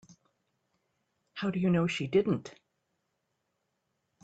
How do you know she didn't?